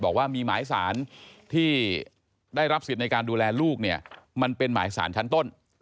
บอกว่ามีหมายสารที่ได้รับสิทธิ์ในการดูแลลูกเนี่ยมันเป็นหมายสารชั้นต้น